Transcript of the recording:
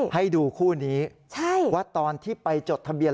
ให้ดูคู่นี้ว่าตอนที่ไปจดทะเบียน